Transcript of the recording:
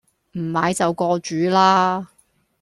唔買就過主啦